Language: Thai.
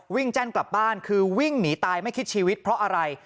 แจ้นกลับบ้านคือวิ่งหนีตายไม่คิดชีวิตเพราะอะไร